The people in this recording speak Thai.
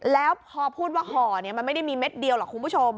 แล้วพอพูดว่าห่อมันไม่ได้มีเม็ดเดียวหรอกคุณผู้ชม